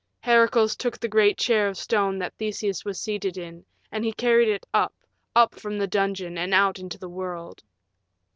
Heracles took the great chair of stone that Theseus was seated in, and he carried it up, up, from the dungeon and out into the world.